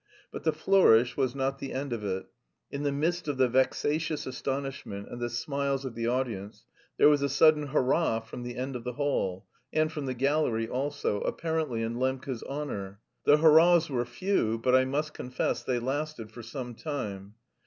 But the flourish was not the end of it: in the midst of the vexatious astonishment and the smiles of the audience there was a sudden "hurrah" from the end of the hall and from the gallery also, apparently in Lembke's honour. The hurrahs were few, but I must confess they lasted for some time.